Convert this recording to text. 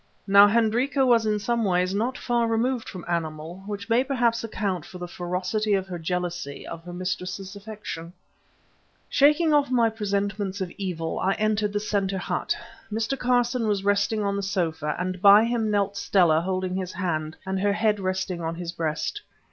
Now Hendrika was in some ways not far removed from animal, which may perhaps account for the ferocity of her jealousy of her mistress's affection. Shaking off my presentiments of evil, I entered the centre hut. Mr. Carson was resting on the sofa, and by him knelt Stella holding his hand, and her head resting on his breast.